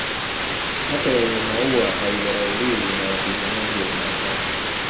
Hata yenye maua haidharauliwi na wapiganaji wa kimasai